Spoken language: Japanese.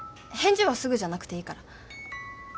返事はすぐじゃなくていいから。